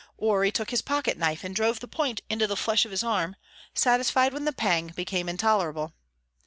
Or he took his pocket knife, and drove the point into the flesh of his arm, satisfied when the pang became intolerable.